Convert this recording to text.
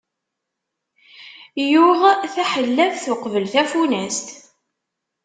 Yuɣ taḥellabt uqbel tafunast.